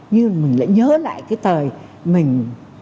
như là mình lại nhớ lại cái thời mình